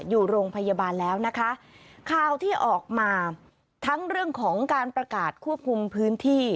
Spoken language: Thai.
อยู่โรงพยาบาลแล้วนะคะข่าวที่ออกมาทั้งเรื่องของการประกาศควบคุมพื้นที่